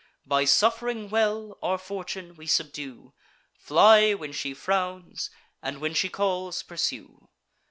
By suff'ring well, our Fortune we subdue; Fly when she frowns, and, when she calls, pursue.